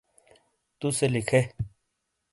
توسے لکھے